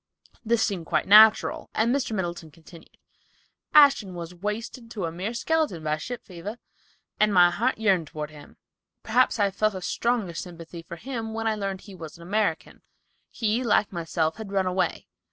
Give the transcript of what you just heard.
This seemed quite natural, and Mr. Middleton continued: "Ashton was wasted to a mere skeleton by ship fever, and my heart yearned toward him. Perhaps I felt a stronger sympathy for him when I learned that he was an American. He, like myself, had run away.